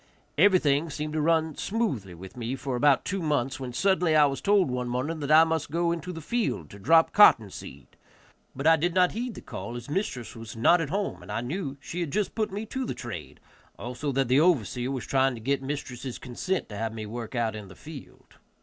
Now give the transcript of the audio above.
Everything seemed to run smoothly with me for about two months, when suddenly I was told one morning that I must go into the field to drop cotton seed, but I did not heed the call, as mistress was not at home, and I knew she had just put me to the trade, also that the overseer was trying to get mistress' consent to have me work out in the field.